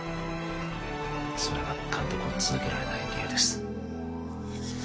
それが監督を続けられない理由です